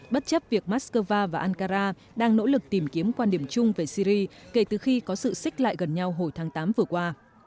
bất chấp việc moscow và ankara đang nỗ lực tìm kiếm quan điểm chung về syri kể từ khi có sự xích lại gần nhau hồi tháng tám vừa qua